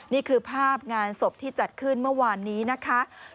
นี่คือภาพงานศพที่จัดขึ้นเมื่อวานนี้นะคะ